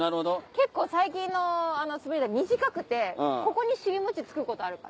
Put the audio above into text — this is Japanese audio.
結構最近の滑り台短くてここに尻もちつくことあるから。